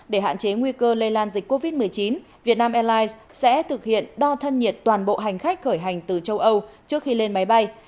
để hạn chế nguy cơ lây lan dịch covid một mươi chín việt nam airlines sẽ thực hiện đo thân nhiệt toàn bộ hành khách khởi hành từ châu âu trước khi lên máy bay